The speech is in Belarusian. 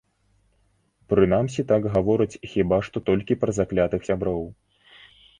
Прынамсі так гавораць хіба што толькі пра заклятых сяброў.